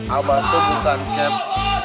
aba itu bukan camp